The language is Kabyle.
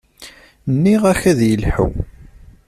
Nniɣ-ak ad yelḥu.